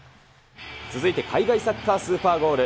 続いて海外サッカースーパーゴール。